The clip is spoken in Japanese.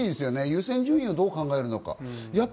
優先順位をどう考えるか。